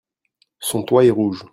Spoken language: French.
Son toît est rouge.